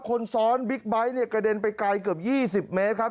คนซ้อนบิ๊กไบท์เนี่ยกระเด็นไปไกลเกือบ๒๐เมตรครับ